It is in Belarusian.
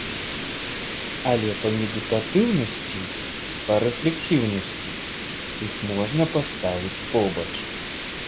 Але па медытатыўнасці, па рэфлексіўнасці іх можна паставіць побач.